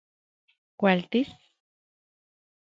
¿Kualtis...?